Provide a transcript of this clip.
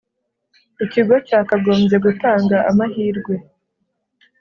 ikigo cya kagomby gutanga amahirwe